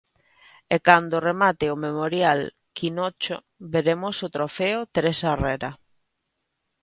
E cando remate o Memorial Quinocho veremos o Trofeo Teresa Herrera.